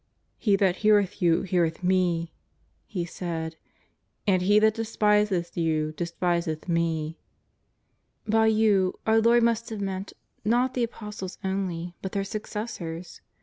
He that heareth you heareth Me,'' He said, " and he that despiseth you despiseth Me." By " you " our Lord must have meant, not the Apostles only but their succes sors.